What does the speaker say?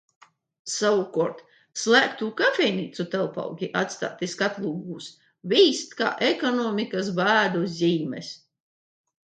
Savukārt slēgto kafejnīcu telpaugi, atstāti skatlogos, vīst kā ekonomikas bēdu zīmes.